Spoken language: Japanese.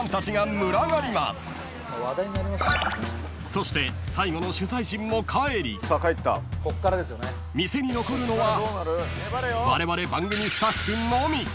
［そして最後の取材陣も帰り店に残るのはわれわれ番組スタッフのみ］